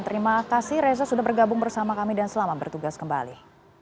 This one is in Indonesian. terima kasih reza sudah bergabung bersama kami dan selamat bertugas kembali